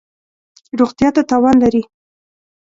روغتیا ته تاوان لری